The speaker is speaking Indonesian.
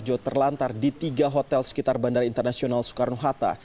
jo terlantar di tiga hotel sekitar bandara internasional soekarno hatta